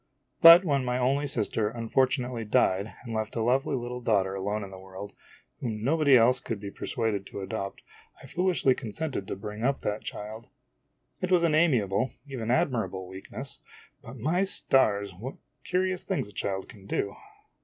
But when my only sister unfortunately died and left a lovely little daughter alone in the world, whom nobody else could be persuaded to adopt, I foolishly consented to bring up that child. 86 IMAGINOTIONS It was an amiable, even admirable, weakness but, my stars ! what curious things a child can do